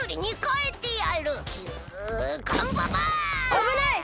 あぶない！